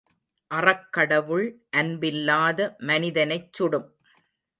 அறக்கடவுள் அன்பில்லாத மனிதனைச் சுடும்.